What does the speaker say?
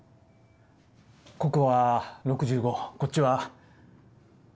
ここは６５こっちは。